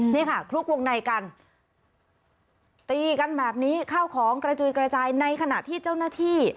นี่ค่ะคลุกวงในกันตีกันแบบนี้ข้าวของกระจุยกระจายในขณะที่เจ้าหน้าที่